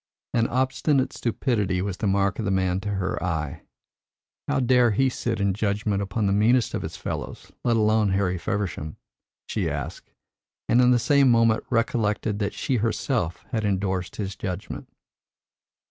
An obstinate stupidity was the mark of the man to her eye. How dare he sit in judgment upon the meanest of his fellows, let alone Harry Feversham? she asked, and in the same moment recollected that she herself had endorsed his judgment.